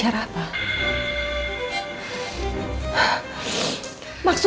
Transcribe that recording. jena tidak bisa